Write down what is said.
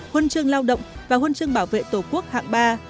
hôn chương lao động và hôn chương bảo vệ tổ quốc hạng ba